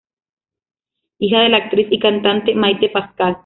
Hija de la actriz y cantante Maite Pascal.